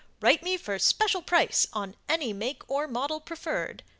Write me for special price on any make or model preferred.